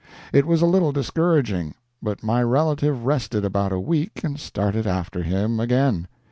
It was a little discouraging, but my relative rested about a week and started after him again.